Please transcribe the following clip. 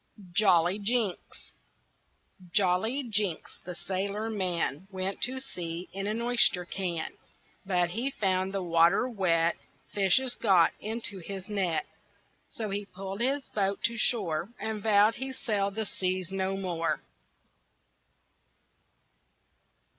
JOLLY JINKS Jolly Jinks, the sailor man, Went to sea in an oyster can. But he found the water wet, Fishes got into his net, So he pulled his boat to shore And vowed he'd sail the seas no more.